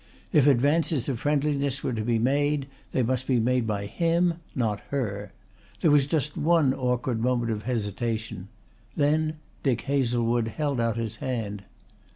If advances of friendliness were to be made they must be made by him, not her. There was just one awkward moment of hesitation. Then Dick Hazlewood held out his hand.